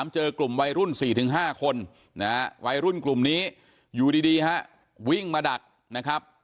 เจอกลุ่มวัยรุ่น๔๕คนวัยรุ่นกลุ่มนี้อยู่ดีวิ่งมาดัก